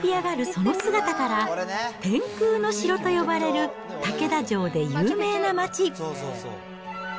その姿から、天空の城と呼ばれる竹田城で有名な町。